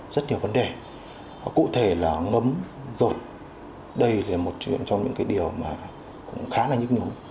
rất nhiều vấn đề cụ thể là ngấm rột đây là một trong những điều khá là nhức nhú